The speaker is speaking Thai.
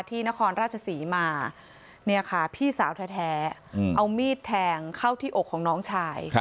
ที่นครราชสีมาพี่สาวแท้เอามีดแทงเข้าที่อกของน้องชาย